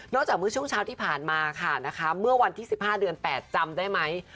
จากเมื่อช่วงเช้าที่ผ่านมาค่ะนะคะเมื่อวันที่๑๕เดือน๘จำได้ไหม